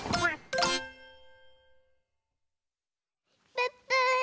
プップー！